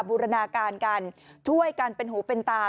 บูรณาการกันช่วยกันเป็นหูเป็นตา